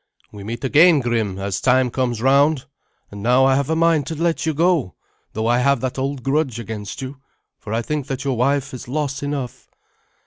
"We meet again, Grim, as time comes round; and now I have a mind to let you go, though I have that old grudge against you, for I think that your wife is loss enough."